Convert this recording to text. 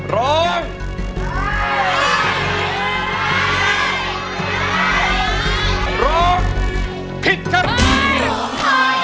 ร้องพลิกฉัน